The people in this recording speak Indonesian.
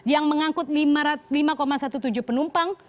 yang mengangkut lima tujuh belas penumpang